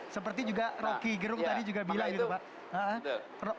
seperti juga rocky gerung tadi juga bilang